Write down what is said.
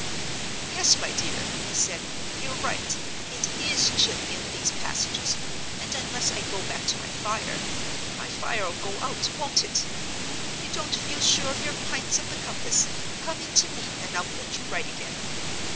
"Yes, my dear," he said, "you're right; it is chilly in these passages; and unless I go back to my fire, my fire'll go out—won't it? If you don't feel sure of your Pints of the Compass, come in to me and I'll put you right again."